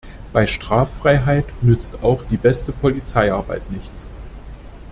Bei Straffreiheit nützt auch die beste Polizeiarbeit nichts.